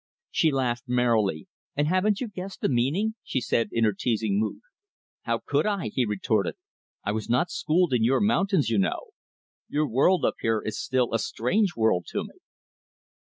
She laughed merrily. "And haven't you guessed the meaning?" she said in her teasing mood. "How could I?" he retorted. "I was not schooled in your mountains, you know. Your world up here is still a strange world to me."